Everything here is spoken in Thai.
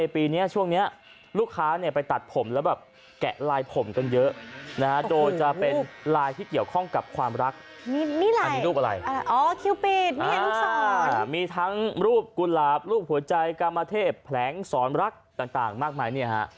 ประถมเลยประถมเลย